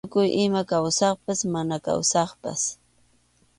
Tukuy ima kawsaqpas mana kawsaqpas.